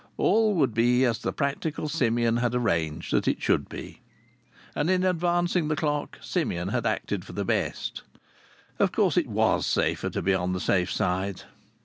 All would be as the practical Simeon had arranged that it should be. And in advancing the clock Simeon had acted for the best. Of course, it was safer to be on the safe side!